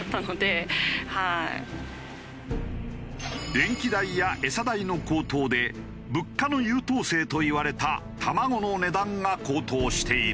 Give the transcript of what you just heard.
電気代や餌代の高騰で物価の優等生といわれた卵の値段が高騰している。